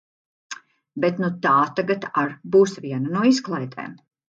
Bet nu tā tagad ar’ būs viena no izklaidēm.